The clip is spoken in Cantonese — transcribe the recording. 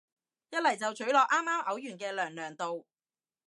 一嚟就咀落啱啱嘔完嘅娘娘度